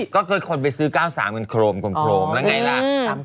ก็คือคนไปซื้อ๙๓กันโครมแล้วไงล่ะ